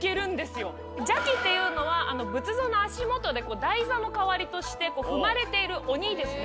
邪鬼っていうのは仏像の足元で台座の代わりとして踏まれている鬼ですね。